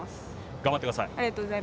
頑張ってください。